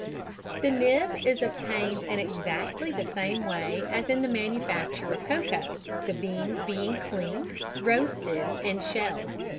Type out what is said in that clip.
"_ The nib is obtained in exactly the same way as in the manufacture of cocoa, the beans being cleaned, roasted and shelled.